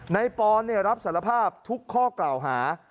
ในปรณ์เนี่ยรับสารภาพทุกข้อกล่าวหา